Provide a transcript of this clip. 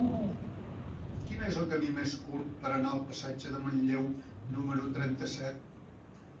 Quin és el camí més curt per anar al passatge de Manlleu número trenta-set?